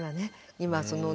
今そのね